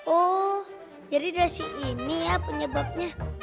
oh jadi udah si ini ya penyebabnya